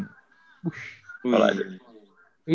itu kalau main bola sih